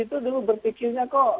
itu dulu berpikirnya kok